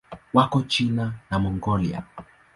Wako China na Mongolia.